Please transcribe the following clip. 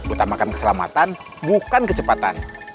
utamakan keselamatan bukan kecepatan